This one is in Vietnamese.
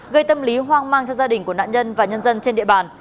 gây tâm lý hoang mang cho gia đình của nạn nhân và nhân dân trên địa bàn